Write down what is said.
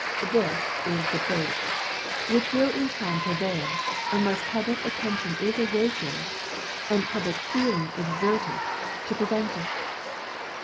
This is the bait, which will in time prevail, unless public attention is awakened, and public feeling exerted, to prevent it.